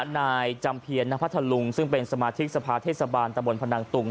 นายจำเพียรนพัทธลุงซึ่งเป็นสมาชิกสภาเทศบาลตะบนพนังตุง